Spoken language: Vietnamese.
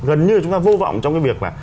gần như chúng ta vô vọng trong cái việc là